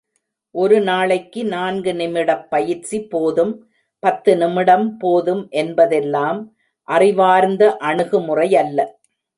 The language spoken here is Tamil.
ஒரு நாளைக்கு நான்கு நிமிடப் பயிற்சி போதும், பத்து நிமிடம் போதும் என்பதெல்லாம் அறிவார்ந்த அணுகு முறையல்ல.